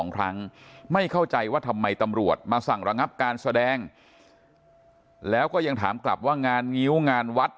ครั้งไม่เข้าใจว่าทำไมตำรวจมาสั่งระงับการแสดงแล้วก็ยัง